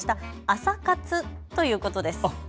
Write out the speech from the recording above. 朝活ということです。